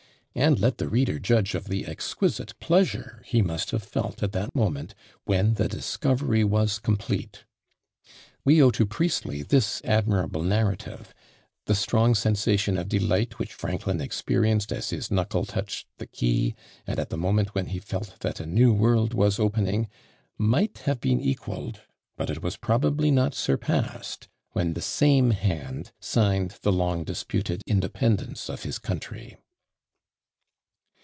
And let the reader judge of the exquisite pleasure he must have felt at that moment when the discovery was complete! We owe to Priestley this admirable narrative; the strong sensation of delight which Franklin experienced as his knuckle touched the key, and at the moment when he felt that a new world was opening, might have been equalled, but it was probably not surpassed, when the same hand signed the long disputed independence of his country!